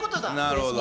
なるほど。